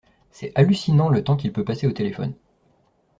C'est hallucinant le temps qu'il peut passer au téléphone.